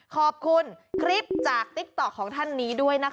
ขอบคุณคลิปจากติ๊กต๊อกของท่านนี้ด้วยนะคะ